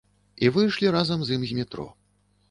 І выйшлі разам з ім з метро.